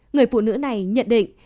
người phụ nữ này nhận định